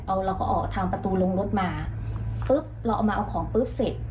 เอาเราก็ออกทางประตูลงรถมาปุ๊บเราเอามาเอาของปุ๊บเสร็จ